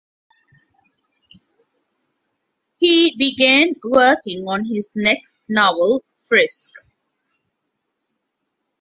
He began working on his next novel, "Frisk".